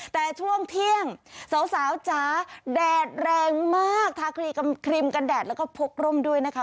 แต่ช่วงเที่ยงสาวจ๋าแดดแรงมากทาครีมกันแดดแล้วก็พกร่มด้วยนะคะ